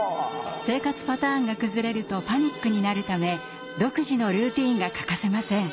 生活パターンが崩れるとパニックになるため独自のルーティーンが欠かせません。